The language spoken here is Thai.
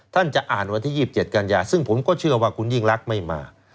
ท่านจะอ่านวันที่๒๗กันยาซึ่งผมก็เชื่อว่าคุณยิ่งรักไม่มา